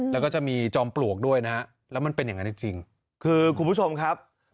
แล้วก็จะมีจอมปลวกด้วยนะฮะแล้วมันเป็นอย่างนั้นจริงคือคุณผู้ชมครับ